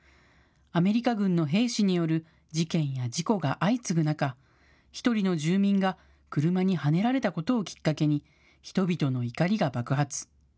アメリカ軍の兵士による事件や事故が相次ぐ中、１人の住民が車にはねられたことをきっかけに人々の怒りが爆発。